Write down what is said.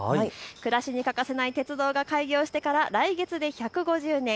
暮らしに欠かせない鉄道が開業してから来月で１５０年。